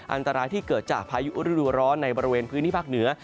อันตรายที่เกิดจากพายุฤดูร้อนในบริเวณพื้นที่ภาคเหนือ